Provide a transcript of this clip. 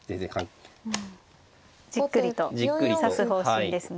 じっくりと指す方針ですね。